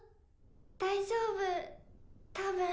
大丈夫たぶん。